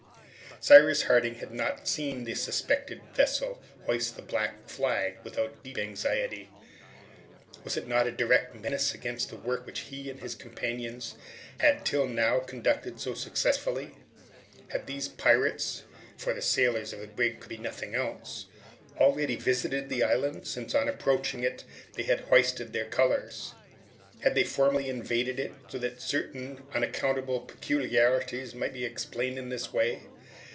Cyrus Harding had not seen the suspected vessel hoist the black flag without deep anxiety. Was it not a direct menace against the work which he and his companions had till now conducted so successfully? Had these pirates for the sailors of the brig could be nothing else already visited the island, since on approaching it they had hoisted their colors. Had they formerly invaded it, so that certain unaccountable peculiarities might be explained in this way?